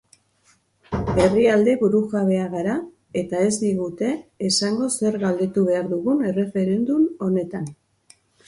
Herrialde burujabea gara eta ez digute esango zer galdetu behar dugun erreferendum honetan.